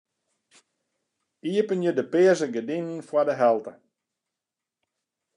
Iepenje de pearse gerdinen foar de helte.